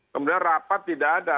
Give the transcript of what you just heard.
kemudian rapat tidak ada